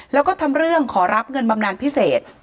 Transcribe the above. แล้วก็ทำเรื่องขอรับเงินบำนานพิเศษ